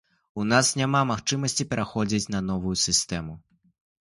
У нас няма магчымасці пераходзіць на новую сістэму.